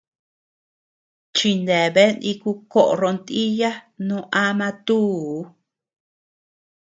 Chineabea niku koʼo rontiya no ama túu.